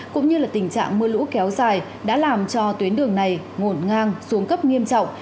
cũng như tình trạng mưa lũ kéo dài đã làm cho tuyến đường này ngổn ngang xuống cấp nghiêm trọng